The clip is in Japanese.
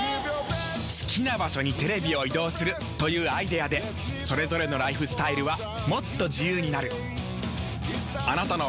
好きな場所にテレビを移動するというアイデアでそれぞれのライフスタイルはもっと自由になる。